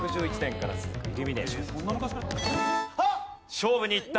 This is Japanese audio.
勝負にいった！